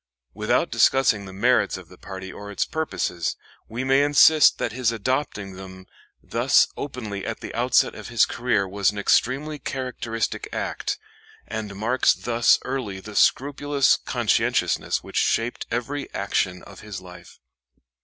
Without discussing the merits of the party or its purposes, we may insist that his adopting them thus openly at the outset of his career was an extremely characteristic act, and marks thus early the scrupulous conscientiousness which shaped every action of his life.